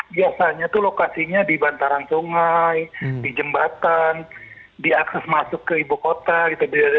biasanya itu lokasinya di bantaran sungai di jembatan di akses masuk ke ibu kota gitu